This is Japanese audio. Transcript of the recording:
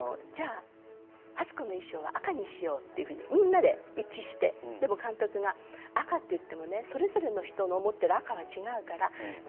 ハツ子の衣装は赤にしようとみんなで一致してでも監督が赤といってもそれぞれの人が持っている赤は違うから。